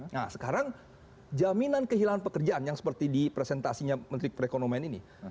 nah sekarang jaminan kehilangan pekerjaan yang seperti di presentasinya menteri perekonomian ini